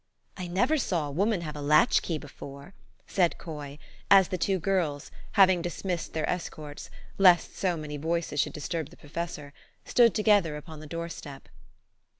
" I never saw a woman have a latch key before," said Coy, as the two girls, having dismissed their escorts, lest so many voices should disturb the pro fessor, stood together upon the door step.